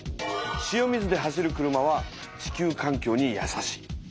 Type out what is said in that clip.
塩水で走る車は地球環境にやさしい。